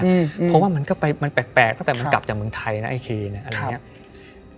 เพราะว่ามันก็ไปมันแปลกตั้งแต่มันกลับจากเมืองไทยนะไอ้เคนะอะไรอย่างนี้